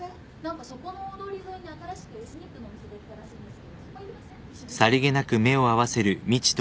そこの大通り沿いに新しくエスニックのお店できたらしいんですけどそこ行きません？